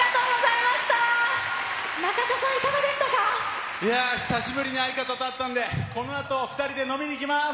いやぁ、久しぶりに相方と会ったんで、このあと２人で飲みに行きます。